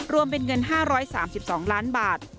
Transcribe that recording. รวมเป็นเงิน๕๓๒ล้านบาท